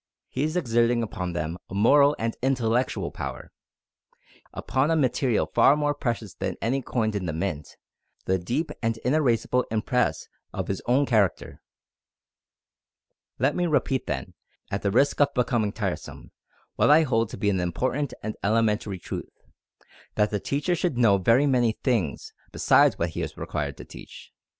He is exerting upon them a moral and intellectual power. He is leaving, upon a material far more precious than any coined in the Mint, the deep and inerasible impress of his own character. Let me repeat then, at the risk of becoming tiresome, what I hold to be an important and elementary truth, that the teacher should know very many things besides what he is required to teach.